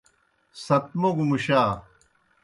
ست موگوْ مُشا۔